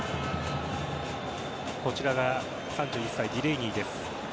こちらが３１歳、ディレイニーです。